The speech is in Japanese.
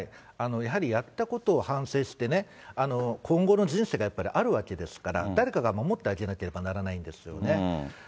やはりやったことを反省してね、今後の人生がやっぱりあるわけですから、誰かが守ってあげなければならないんですよね。